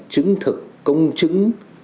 chứng thực công chứng